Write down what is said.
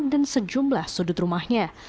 dan sejumlah sudut rumahnya